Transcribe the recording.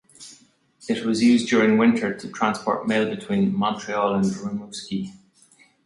It was used during winter to transport mail between Montreal and Rimouski.